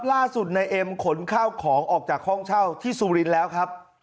ล่าสุดนายเอ็มขนข้าวของออกจากห้องเช่าที่สุรินทร์แล้วครับ